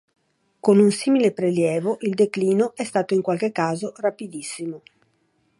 Con un simile prelievo, il declino è stato in qualche caso rapidissimo.